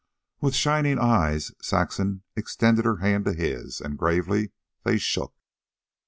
With shining eyes, Saxon extended her hand to his, and gravely they shook.